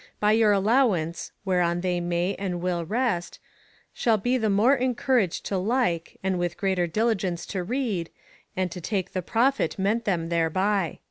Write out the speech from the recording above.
by your alloivance (whereon they may and will rest) shalbe the more encouraged to lyke, and with greater diligence to reade, and to take the profite ment them thereby.